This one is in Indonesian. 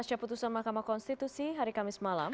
pasca putusan mahkamah konstitusi hari kamis malam